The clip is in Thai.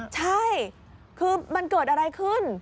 ใช่คือมันเกิดอะไรขึ้น